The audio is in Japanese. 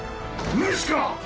無視か！